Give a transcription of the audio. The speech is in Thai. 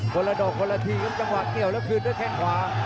คนละดอกคนละทีครับจังหวะเกี่ยวแล้วคืนด้วยแข้งขวา